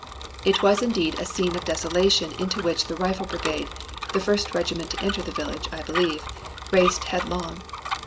"It was indeed a scene of desolation into which the Rifle Brigade the first regiment to enter the village, I believe raced headlong.